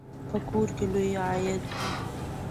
په کور کې لوی عید و.